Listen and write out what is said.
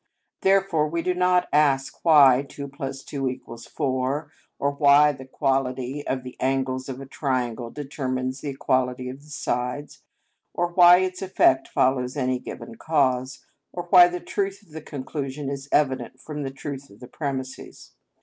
Therefore we do not ask why 2 + 2 = 4; or why the equality of the angles of a triangle determines the equality of the sides; or why its effect follows any given cause; or why the truth of the conclusion is evident from the truth of the premises.